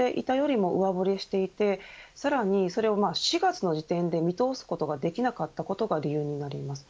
これは日銀が想定していたよりも上振れしていてさらにそれを４月の時点で見通すことができなかったことが理由になります。